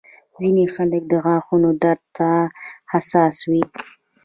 ځینې خلک د غاښونو درد ته حساس وي.